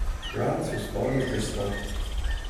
Rahtz was born in Bristol.